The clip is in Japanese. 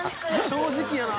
正直やな。